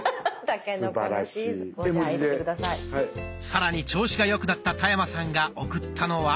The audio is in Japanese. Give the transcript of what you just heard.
さらに調子が良くなった田山さんが送ったのは。